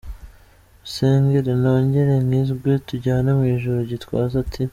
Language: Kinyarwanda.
… Munsengere nongere nkizwe tujyane mu ijuru” Gitwaza ati: .